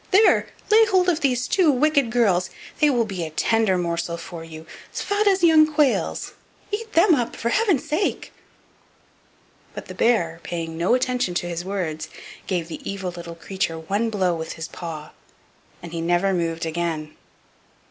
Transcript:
There, lay hold of these two wicked girls, they will be a tender morsel for you, as fat as young quails; eat them up, for heaven's sake." But the bear, paying no attention to his words, gave the evil little creature one blow with his paw, and he never moved again.